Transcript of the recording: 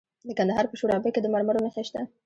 د کندهار په شورابک کې د مرمرو نښې شته.